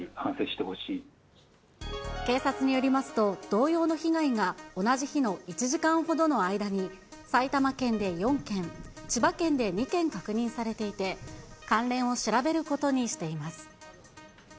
警察によりますと、同様の被害が同じ日の１時間ほどの間に埼玉県で４件、千葉県で２件確認されていて、関連を調べることにしています。